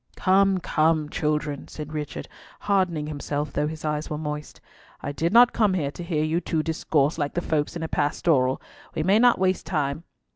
"Come, come, children," said Richard, hardening himself though his eyes were moist; "I did not come here to hear you two discourse like the folks in a pastoral! We may not waste time.